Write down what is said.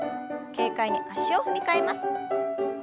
軽快に脚を踏み替えます。